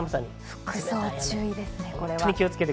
服装に注意ですね。